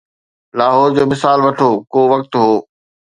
لاهور جو مثال وٺو، ڪو وقت هو.